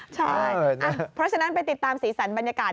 ใช่เพราะฉะนั้นไปติดตามสีสันบรรยากาศ